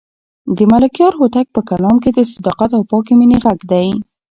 د ملکیار هوتک په کلام کې د صداقت او پاکې مینې غږ دی.